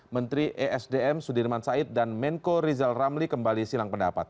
menteri esdm sudirman said dan menko rizal ramli kembali silang pendapat